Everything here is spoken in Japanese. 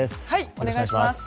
お願いします。